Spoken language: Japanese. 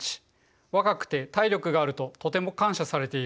若くて体力があるととても感謝されている。